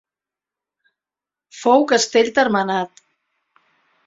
Fou castell termenat.